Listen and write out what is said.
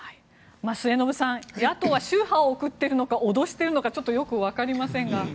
末延さん野党は秋波を送っているのか脅しているのかちょっとよく分かりませんが。